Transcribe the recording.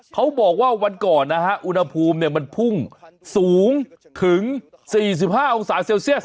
เขาบอกว่าวันก่อนนะฮะอุณหภูมิมันพุ่งสูงถึง๔๕องศาเซลเซียส